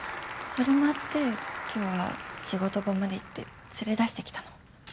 それもあって今日は仕事場まで行って連れ出してきたの。